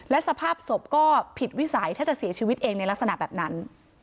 และสภาพศพก็ผิดวิสัยถ้าจะเสียชีวิตเองในลักษณะแบบนั้น